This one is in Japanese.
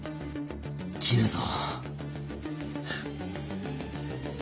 切るぞ。